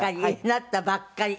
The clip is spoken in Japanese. なったばっかり。